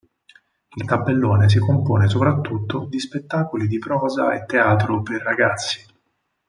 Il tabellone si compone soprattutto di spettacoli di prosa e teatro per ragazzi.